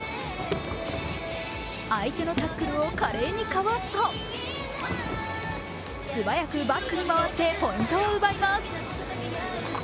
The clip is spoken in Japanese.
パリオリンピック期待の星、藤波は相手のタックルを華麗にかわすと、素早くバックに回ってポイントを奪います。